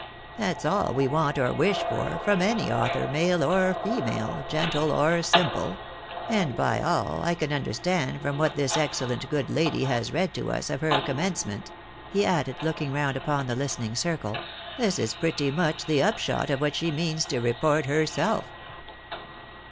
That's 1&6 THE BAlVi>Ar>10 in Jl.itXJZ^AVX»^A, all we want or wish for, from any author, male or female, gentle or simple ; and by all I can understand from what this excellent good lady has read to us, of her commencement," he added, looking round upon the listening circle, " this is pretty much the upshot of what she means to report herself."